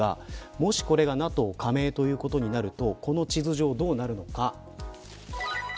もしこれが、ＮＡＴＯ加盟ということになるとこの地図上どうなるのか。